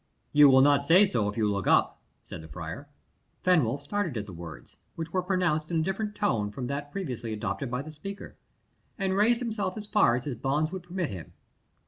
"You will not say so if you look up," said the friar. Fenwolf started at the words, which were pronounced in a different tone from that previously adopted by the speaker, and raised himself as far as his bonds would permit him.